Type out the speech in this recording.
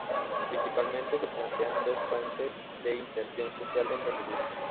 Principalmente se plantean dos frentes de inserción social donde militan.